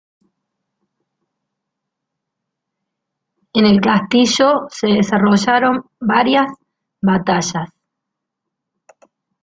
En el castillo se desarrollaron varias batallas.